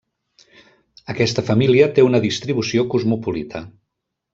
Aquesta família té una distribució cosmopolita.